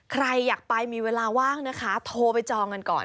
ใครอยากไปมีเวลาว่างนะคะโทรไปจองกันก่อน